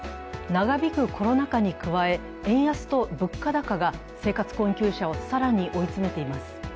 長引くコロナ禍に加え、円安と物価高が生活困窮者を更に追い詰めています。